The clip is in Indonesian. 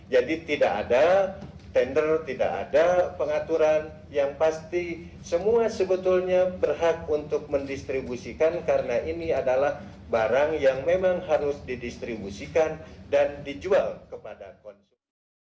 jadi tidak ada tender tidak ada pengaturan yang pasti semua sebetulnya berhak untuk mendistribusikan karena ini adalah barang yang memang harus didistribusikan dan dijual kepada konsumen